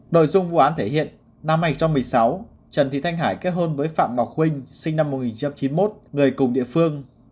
nội dung vụ án thể hiện năm hai nghìn một mươi sáu trần thị thanh hải kết hôn với phạm ngọc khuynh sinh năm một nghìn chín trăm chín mươi một người cùng địa phương